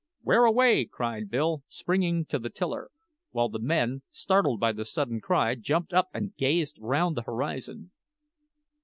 "Where away?" cried Bill, springing to the tiller; while the men, startled by the sudden cry, jumped up and gazed round the horizon.